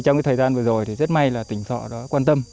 trong thời gian vừa rồi thì rất may là tỉnh thọ đã quan tâm